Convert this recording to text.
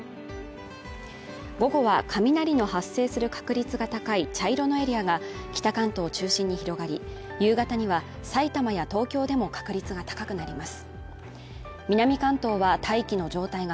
午後は雷の発生する確率が高い茶色のエリアが北関東を中心に広がり、夕方には埼玉や東京でも確率が高くなります。